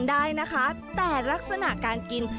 ได้นะคะแต่ลักษณะการกิน